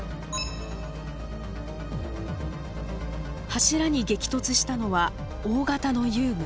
柱に激突したのは大型の遊具。